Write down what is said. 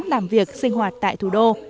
làm việc sinh hoạt tại thủ đô